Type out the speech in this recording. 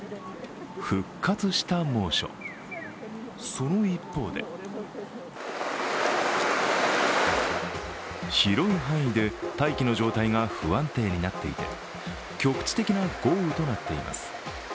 その一方で広い範囲で大気の状態が不安定になっていて、局地的な豪雨となっています。